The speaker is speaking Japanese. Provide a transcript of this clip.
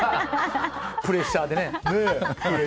プレッシャーでね。